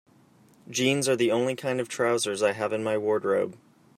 Jeans are the only kind of trousers I have in my wardrobe.